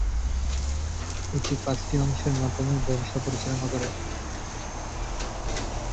এটি পাঁচটি অংশের মাধ্যমে ব্যবসা পরিচালনা করে।